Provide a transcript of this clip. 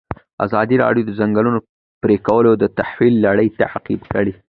ازادي راډیو د د ځنګلونو پرېکول د تحول لړۍ تعقیب کړې.